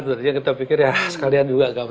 tadinya kita pikir ya sekalian juga gambar